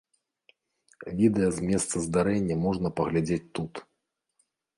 Відэа з месца здарэння можна паглядзець тут.